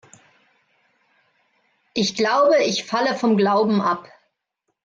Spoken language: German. Ich glaube, ich falle vom Glauben ab.